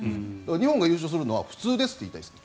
日本が優勝するのは普通ですって言いたいです。